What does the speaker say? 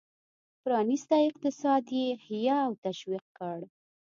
پرانیستی اقتصاد یې حیه او تشویق کړ.